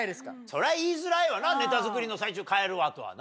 そりゃ言いづらいわなネタ作りの最中帰るわとはな。